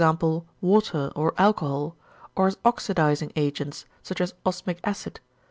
_ water or alcohol, or as oxydising agents, such as osmic acid.